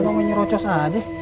abang mau nyerocos aja